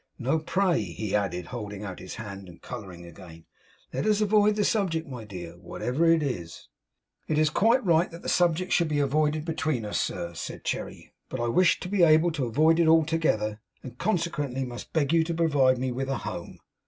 No, pray!' he added, holding out his hand and colouring again, 'let us avoid the subject, my dear, whatever it is!' 'It's quite right that the subject should be avoided between us, sir,' said Cherry. 'But I wish to be able to avoid it altogether, and consequently must beg you to provide me with a home.